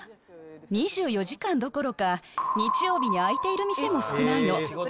２４時間どころか、日曜日に開いている店も少ないの。